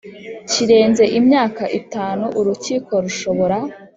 Kirenze imyaka itanu urukiko rushobora